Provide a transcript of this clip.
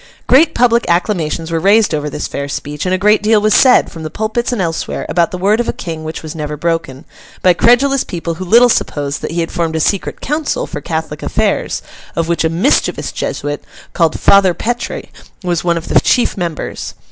Great public acclamations were raised over this fair speech, and a great deal was said, from the pulpits and elsewhere, about the word of a King which was never broken, by credulous people who little supposed that he had formed a secret council for Catholic affairs, of which a mischievous Jesuit, called Father Petre, was one of the chief members.